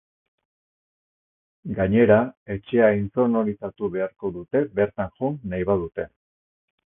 Gainera, etxea intsonorizatu beharko dute bertan jo nahi badute.